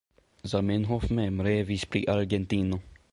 Zamenhof mem revis pri Argentino.